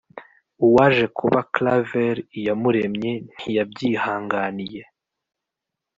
uwaje kuba claver iyamuremye ntiyabyihanganiye